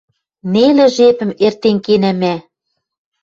Нелӹ жепӹм эртен кенӓ мӓ.